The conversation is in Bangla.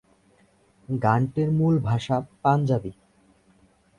গানটির মূল ভাষা পাঞ্জাবি।